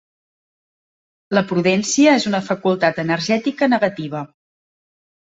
La prudència és una facultat energètica negativa.